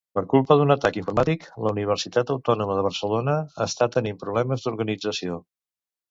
Per culpa d'un atac informàtic, la Universitat Autònoma de Barcelona està tenint problemes d'organització.